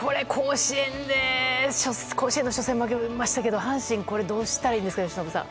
甲子園の初戦で負けましたけどこれは阪神、どうしたいですか由伸さん。